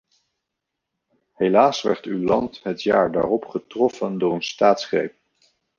Helaas werd uw land het jaar daarop getroffen door een staatsgreep.